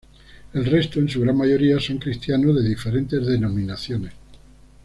El resto, en su gran mayoría, son cristianos de diferentes denominaciones.